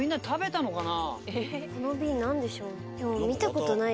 この瓶何でしょう？